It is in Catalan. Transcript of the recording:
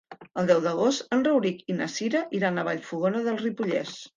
El deu d'agost en Rauric i na Cira iran a Vallfogona de Ripollès.